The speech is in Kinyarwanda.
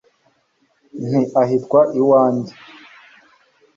ntiahitwaga iwanjye